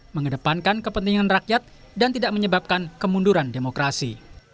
mengedepankan kepentingan rakyat dan tidak menyebabkan kemunduran demokrasi